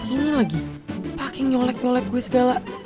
ini lagi hakim nyolek nyolek gue segala